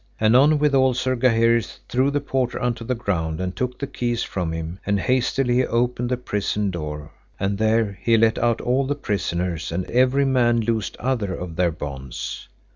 Anon withal Sir Gaheris threw the porter unto the ground and took the keys from him, and hastily he opened the prison door, and there he let out all the prisoners, and every man loosed other of their bonds.